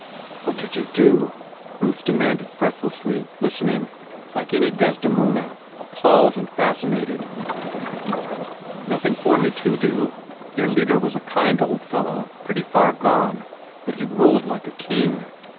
"What did you do?" Ruth demanded breathlessly, listening, like any Desdemona, appalled and fascinated. "Nothing for me to do. Their leader was a kind old fellow, pretty far gone, but he ruled like a king.